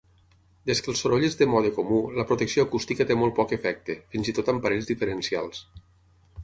Des que el soroll és de mode comú, la protecció acústica té molt poc efecte, fins i tot amb parells diferencials.